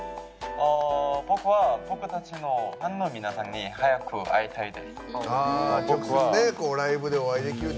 僕は僕たちのファンの皆さんに早く会いたいです。